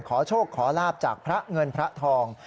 ขอโชคขอลาบจากพระเงินพระทอง